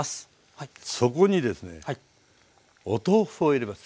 そこにですねお豆腐を入れます。